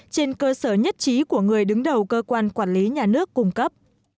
trên cơ sở nhất trí của người đứng đầu cơ quan quản lý nhà nước cung cấp